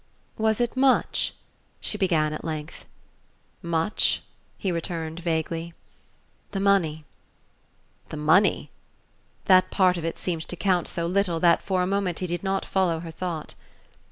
"Was it much ?" she began at length. "Much ?" he returned, vaguely. "The money." "The money?" That part of it seemed to count so little that for a moment he did not follow her thought.